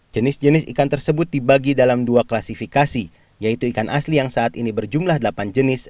jenis jenis ikan tersebut dibagi dalam dua klasifikasi yaitu ikan asli yang saat ini berjumlah delapan jenis